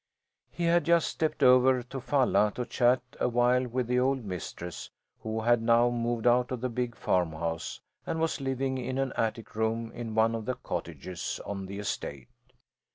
He had just stepped over to Falla to chat a while with the old mistress, who had now moved out of the big farmhouse and was living in an attic room in one of the cottages on the estate.